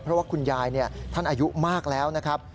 เพราะว่าคุณยายท่านอายุมากแล้วนะครับ